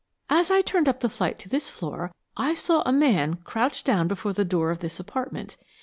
"As I turned up the flight to this floor, I saw a man crouched down before the door of this apartment.